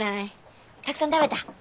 たくさん食べた？